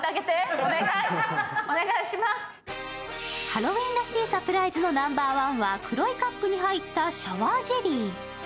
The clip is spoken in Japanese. ハロウィンらしいサプライズのＮｏ．１は黒いカップに入ったシャワージェリー。